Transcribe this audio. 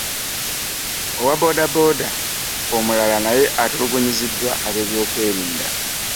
Owa booda booda omulala naye atulugunyiziddwa ab'ebyokwerinda.